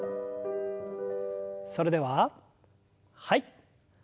それでははい。